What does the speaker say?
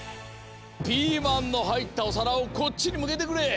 ピーマンのはいったおさらをこっちにむけてくれ。